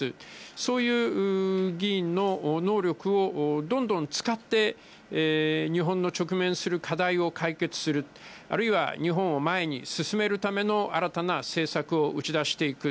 そういう議員の能力をどんどん使って日本の直面する課題を解決する、あるいは日本を前に進めるための新たな政策を打ち出していく。